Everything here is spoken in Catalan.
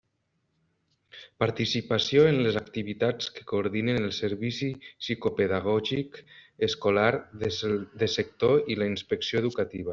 Participació en les activitats que coordinen el servici psicopedagògic escolar de sector i la Inspecció Educativa.